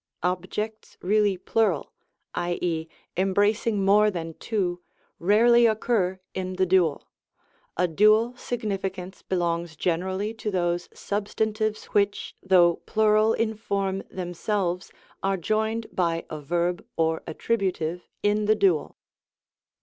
* Objects reaUy plural, i,e,, embracing more than two, rarely occur in the dual A dual significance belongs generally to those substantives which, though plural in form themselves, are joined by a verb or attributive in the dual.